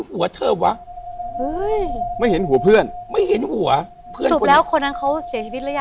เห้ยไม่เห็นว่ามันเพื่อนเป็นทุกคนเขาสิบแล้วยังหรอ